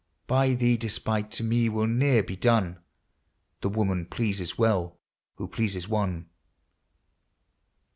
By thee despite to me will ne'er be done ; The woman pleases well who pleases one.